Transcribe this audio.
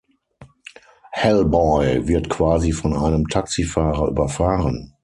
Hellboy wird quasi von einem Taxifahrer „überfahren“.